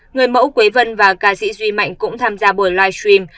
người mẫu quế vân và ca sĩ duy mạnh cũng tham gia buổi livestream